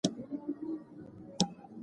د خوښۍ لامل ګرځیدل د ماشومانو د پلار هدف دی.